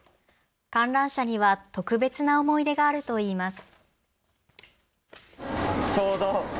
観覧車には特別な思い出があるといいます。